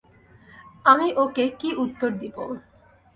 আমি ওকে কী উত্তর দিবো?